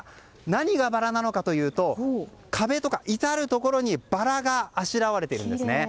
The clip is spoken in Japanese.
何がバラなのかというと壁とか至るところにバラがあしらわれているんです。